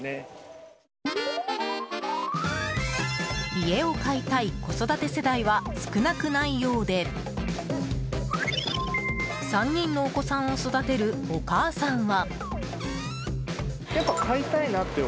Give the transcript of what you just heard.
家を買いたい子育て世代は少なくないようで３人のお子さんを育てるお母さんは。